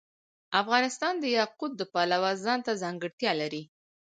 افغانستان د یاقوت د پلوه ځانته ځانګړتیا لري.